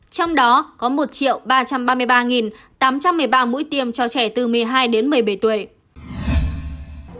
trong đó có một ba trăm ba mươi ba tám trăm một mươi ba mũi tiêm cho trẻ từ một mươi hai đến một mươi bảy tuổi